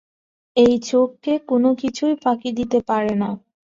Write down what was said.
এই চোখকে কোনোকিছুই ফাঁকি দিতে পারে না।